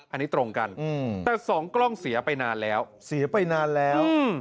อันนี้ตรงกันแต่๒กล้องเสียไปนานแล้ว